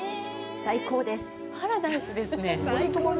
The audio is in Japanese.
最高です。